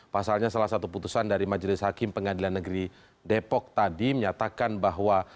pasalnya salah satu putusan dari majelis hakim pengadilan negeri depok tadi menyatakan bahwa